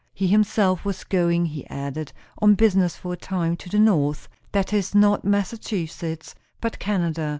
He himself was going, he added, on business, for a time, to the north; that is, not Massachusetts, but Canada.